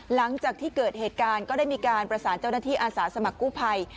หลังจากที่เกิดเหตุการณ์ก็ได้มีการประสานเจ้าหน้าที่อาสาสมัครกู้ภัย